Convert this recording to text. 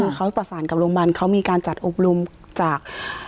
คือเขาประสานกับโรงพยาบาลเขามีการจัดอบรมจาก